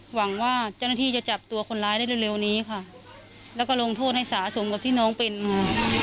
หวังว่าเจ้าหน้าที่จะจับตัวคนร้ายได้เร็วนี้ค่ะแล้วก็ลงโทษให้สะสมกับที่น้องเป็นค่ะ